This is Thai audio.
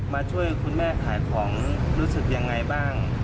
มาช่วยคุณแม่ขายของรู้สึกยังไงบ้าง